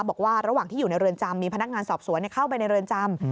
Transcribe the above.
บอกว่าระหว่างที่อยู่ในเรือนจำมีพนักงานสอบสวนเข้าไปในเรือนจำ